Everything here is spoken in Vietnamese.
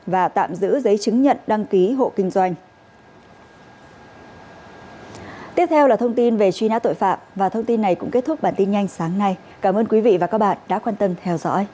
và tạm giữ giấy chứng nhận đăng ký hộ kinh doanh